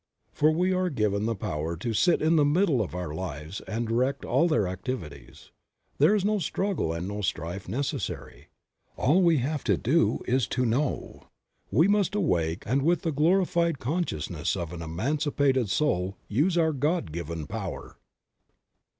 For we are given the power to sit in the midst of our lives and direct all their activities. There is no struggle and no strife necessary. All that we have to do is to know. We must awake and with the glorified consciousness of an emancipated soul use our God given power.